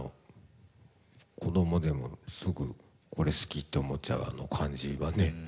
子どもでもすぐこれ好きって思っちゃうあの感じはね。